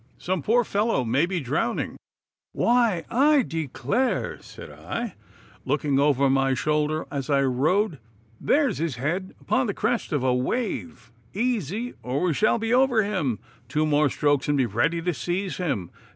Some poor fellow may he drowning.' 'Why, I declare!' said I, looking over my shoulder as I rowed, 'there is his head upon the crest of a wave. Easy, or we shall be over him! Two more strokes and be ready to seize him!